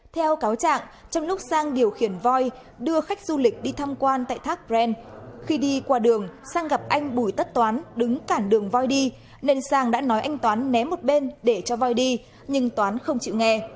theo cáo trạng trong lúc sang điều khiển voi đưa khách du lịch đi thăm quan tại thác brent khi đi qua đường sang gặp anh bùi tất toán đứng cản đường voi đi nên sang đã nói anh toán ném một bên để cho voi đi nhưng toán không chịu nghe